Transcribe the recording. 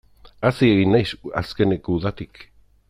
Hazi egin naiz azkeneko udatik.